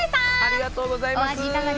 ありがとうございます。